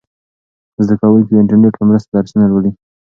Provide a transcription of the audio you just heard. زده کوونکي د انټرنیټ په مرسته درسونه لولي.